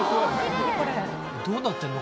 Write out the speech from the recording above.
どうなってんの？